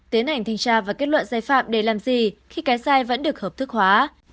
tiến hành thanh tra và kết luận sai phạm để làm gì khi cái sai vẫn được hợp thức hóa